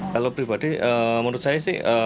kalau pribadi menurut saya sih